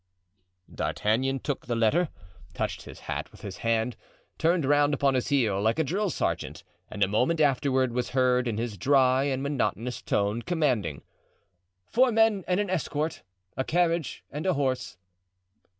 D'Artagnan took the letter, touched his hat with his hand, turned round upon his heel like a drill sergeant, and a moment afterward was heard, in his dry and monotonous tone, commanding "Four men and an escort, a carriage and a horse."